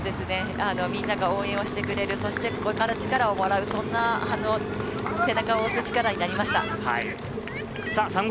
みんなが応援してくれる、ここから力をもらう、そんな背中を押す力になりました。